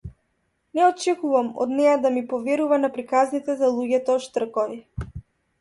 Не очекувам од неа да ми поверува на приказните за луѓето-штркови.